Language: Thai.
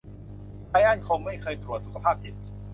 ไรอันคงไม่เคยตรวจสุจภาพจิต